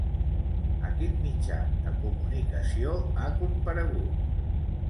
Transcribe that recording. A quin mitjà de comunicació ha comparegut?